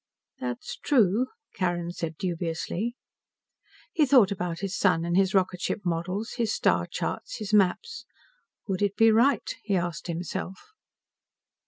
"That's true," Carrin said dubiously. He thought about his son and his rocket ship models, his star charts, his maps. Would it be right? he asked himself.